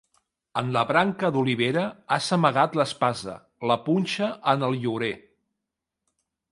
En la branca d'olivera has amagat l'espasa, la punxa en el llorer.